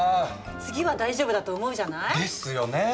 次は大丈夫だと思うじゃない？ですよね。